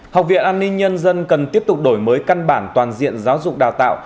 học viện an ninh nhân dân cần tiếp tục đổi mới căn bản toàn diện giáo dục đào tạo